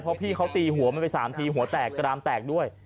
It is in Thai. เพราะพี่เขาตีหัวมันไป๓ทีหัวแตกกรามแตกด้วย